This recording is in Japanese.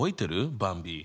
ばんび。